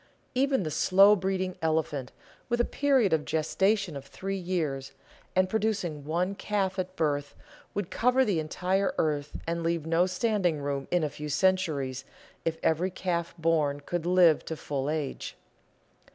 Even the slow breeding elephant, with a period of gestation of three years, and producing one calf at a birth, would cover the entire earth and leave no standing room in a few centuries if every calf born could live to full age.